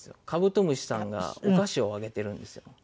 カブトムシさんがお菓子をあげてるんですよ。